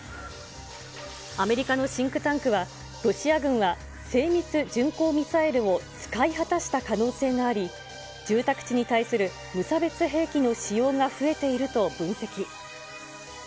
アメリカのシンクタンクは、ロシア軍は精密巡航ミサイルを使い果たした可能性があり、住宅地に対する無差別兵器の使用が増えていると分析。